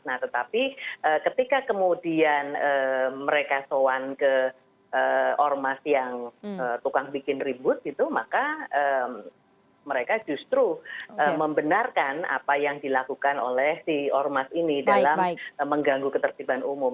nah tetapi ketika kemudian mereka soan ke ormas yang tukang bikin ribut gitu maka mereka justru membenarkan apa yang dilakukan oleh si ormas ini dalam mengganggu ketertiban umum